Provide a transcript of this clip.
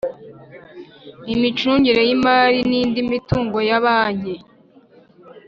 imicungire y imari n indi mitungo ya banke